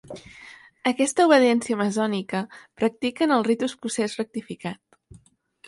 Aquesta obediència maçònica practica en el Ritu Escocès Rectificat.